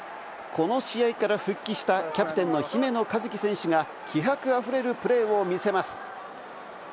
この試合から復帰したキャプテンの姫野和樹選手が気迫あふれるプレーを見せます。